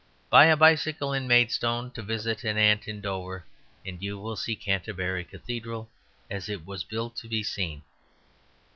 Buy a bicycle in Maidstone to visit an aunt in Dover, and you will see Canterbury Cathedral as it was built to be seen.